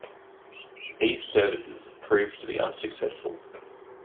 These services proved to be unsuccessful.